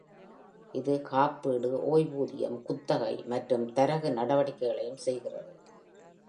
இது காப்பீடு, ஓய்வூதியம், குத்தகை மற்றும் தரகு நடவடிக்கைகளையும் செய்கிறது.